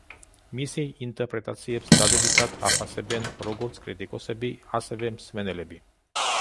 მისი ინტერპრეტაციებს დადებითად აფასებენ როგორც კრიტიკოსები, ასევე მსმენელები.